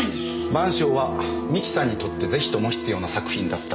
『晩鐘』は三木さんにとってぜひとも必要な作品だった。